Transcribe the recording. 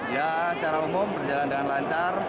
ya secara umum perjalanan lancar